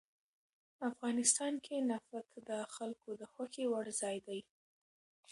افغانستان کې نفت د خلکو د خوښې وړ ځای دی.